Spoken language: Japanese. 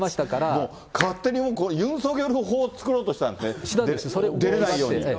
もう、勝手に、これ、ユン・ソギョル法を作ろうとしたんですね、出れないように。